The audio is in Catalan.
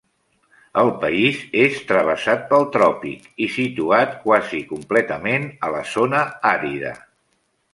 El país és travessat pel tròpic i situat quasi completament a la zona àrida.